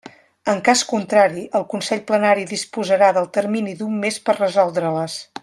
En cas contrari, el Consell Plenari disposarà del termini d'un mes per resoldre-les.